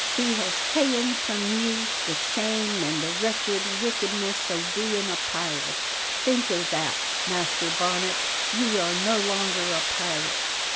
He has ta'en from ye the shame an' the wretched wickedness o' bein' a pirate. Think o' that, Master Bonnet, ye are no longer a pirate.